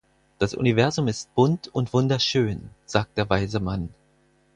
Das Universum ist bunt und wunderschön, sagt der weise Mann.